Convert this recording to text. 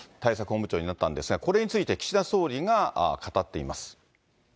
本部長になったんですが、これについて、岸田総理が語っています。